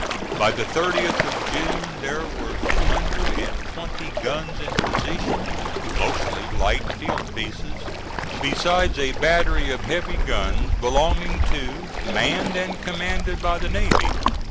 By the 30th of June there were two hundred and twenty guns in position, mostly light field pieces, besides a battery of heavy guns belonging to, manned and commanded by the navy.